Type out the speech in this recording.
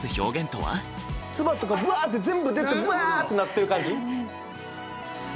唾とかブワって全部出てブワってなってる感じ。